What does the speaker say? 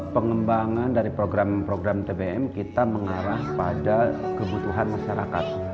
pengembangan dari program program tbm kita mengarah pada kebutuhan masyarakatnya